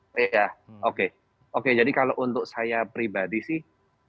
oh iya oke oke jadi kalau untuk saya pribadi sih